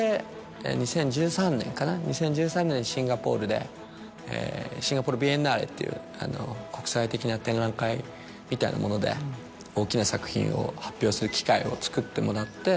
で２０１３年かな２０１３年にシンガポールでシンガポール・ビエンナーレっていう国際的な展覧会みたいなもので大きな作品を発表する機会をつくってもらって。